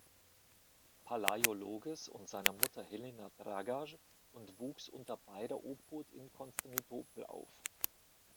Palaiologos und seiner Mutter Helena Dragaš und wuchs unter beider Obhut in Konstantinopel auf.